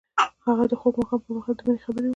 هغه د خوږ ماښام پر مهال د مینې خبرې وکړې.